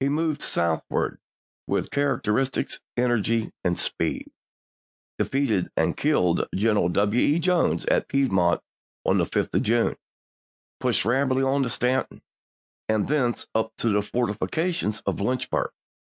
He moved southward with characteristic energy and speed ; defeated and killed General W. E. Jones at Piedmont on the 5th of June ; pushed rapidly on to Staunton and thence up to the fortifi cations of Lynchburg.